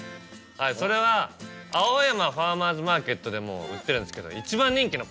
それは青山ファーマーズマーケットでも売ってるんですけど一番人気のパン。